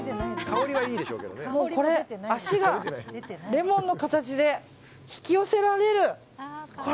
もうこれ、足がレモンの形で引き寄せられる。